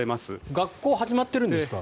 学校は始まってるんですか？